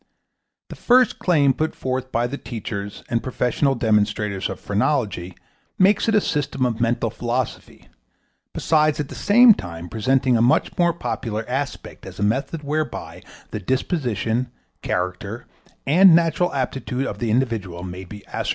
The first claim put forth by the teachers and professional demonstrators of phrenology makes it a system of mental philosophy, besides at the same time presenting a much more popular aspect as a method whereby the disposition, character and natural aptitude of the individual may be ascertained.